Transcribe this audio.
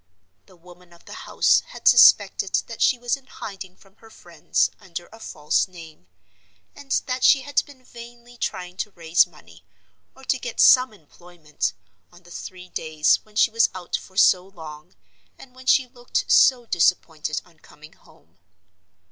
The woman of the house had suspected that she was in hiding from her friends, under a false name; and that she had been vainly trying to raise money, or to get some employment, on the three days when she was out for so long, and when she looked so disappointed on coming home.